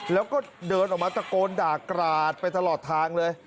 แล้วก็เดินออกมาตะโกนด่ากราดไปตลอดทางเลย